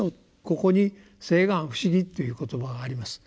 ここに「誓願不思議」という言葉があります。